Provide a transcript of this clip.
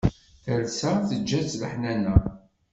Talsa teǧǧa-tt leḥnana.